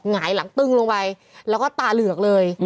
หงายหลังตึ้งลงไปแล้วก็ตาเหลือกเลย